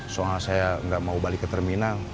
soalnya saya nggak mau balik ke terminal